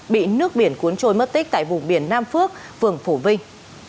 bị nước biển cuốn trôi mất tích tại vùng biển nam phước phường phổ vinh